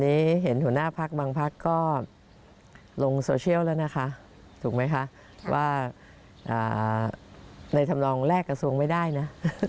เห็นหัวหน้าพักบางพักก็ลงโซเชียลแล้วนะคะถูกไหมคะว่าในธรรมนองแลกกระทรวงไม่ได้นะ